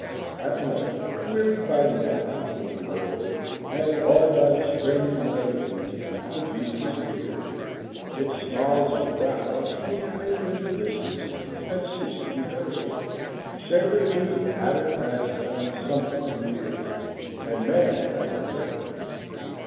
At length, wearied by the unprofitable labor, and awed by the strange light and heat, the beast disappeared; its snarls and growls grew fainter in the distance and ceased to be heard. Saber Tooth had at last found something he feared, and man a protector.